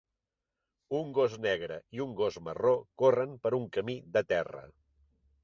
Un gos negre i un gos marró corren per un camí de terra.